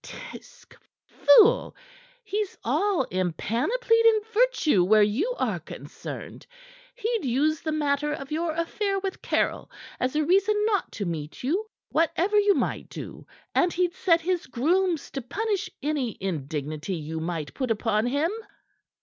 "Tusk, fool! He's all empanoplied in virtue where you are concerned. He'd use the matter of your affair with Caryll as a reason not to meet you, whatever you might do, and he'd set his grooms to punish any indignity you might put upon him."